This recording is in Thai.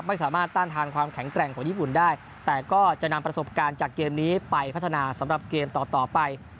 ไม่สามารถต้านทานความแข็งแกร่งของญี่ปุ่นได้แต่ก็จะนำประสบการณ์จากเกมนี้ไปพัฒนาสำหรับเกมต่อต่อไป